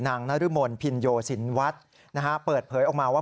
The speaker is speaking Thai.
นรมนพินโยสินวัฒน์เปิดเผยออกมาว่า